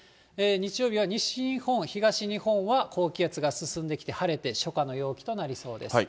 日曜日は西日本、東日本は、高気圧が進んできて晴れて、初夏の陽気となりそうです。